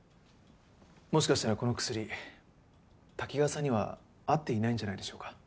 もしかしたらこの薬滝川さんには合っていないんじゃないでしょうか。